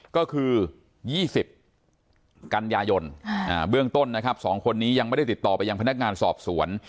ก็คือ๒๐กันยายนเบื้องต้นนะครับ๒คนนี้ยังไม่ได้ติดต่อไปยังพนักงานสอบสวน